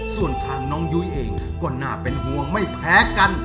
ส่วนทางน้องยุ้ยเองก็น่าเป็นห่วงไม่แพ้กัน